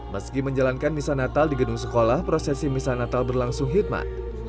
meski menjalankan misa natal di gedung sekolah prosesi misa natal berlangsung hikmat